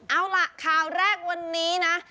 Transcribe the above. เอาล่ะข่าวแรกวันนี้นะ